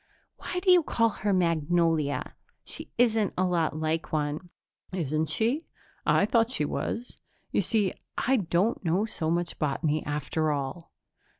"Why do you call her Magnolia? She isn't a lot like one." "Isn't she? I thought she was. You see, I don't know so much botany, after all."